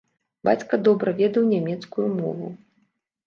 Бацька добра ведаў нямецкую мову.